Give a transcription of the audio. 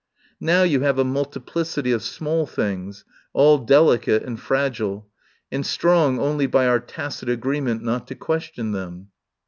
Now you have a multiplicity of small things, all delicate and fragile, and strong only by our tacit agree ment not to question them."